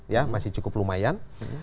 ya masih cukup lumayan